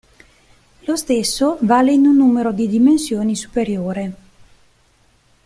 Lo stesso vale in un numero di dimensioni superiore.